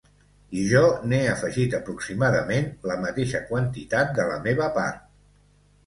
I jo n'he afegit aproximadament la mateixa quantitat de la meva part.